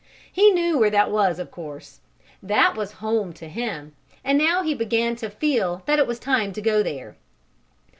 He knew where that was, of course. That was "home" to him, and now he began to feel that it was time to go there.